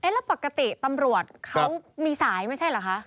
แล้วปกติตำรวจเขามีสายไม่ใช่เหรอคะ